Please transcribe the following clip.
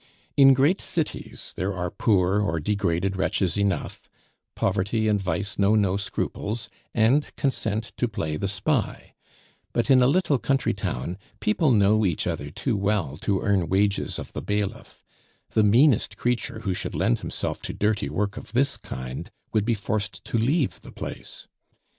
In great cities there are poor or degraded wretches enough; poverty and vice know no scruples, and consent to play the spy, but in a little country town, people know each other too well to earn wages of the bailiff; the meanest creature who should lend himself to dirty work of this kind would be forced to leave the place.